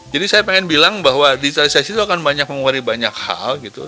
jadi saya pengen bilang bahwa digitalisasi itu akan banyak mengucapkan banyak hal gitu